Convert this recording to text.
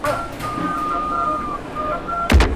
په سپورږمۍ كي زمــــا پــيــــر دى